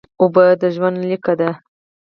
اوبه د ژوند لیکه ده